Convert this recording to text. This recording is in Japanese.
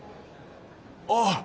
ああ